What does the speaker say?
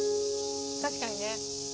「確かにね」